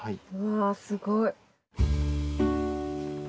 わすごい。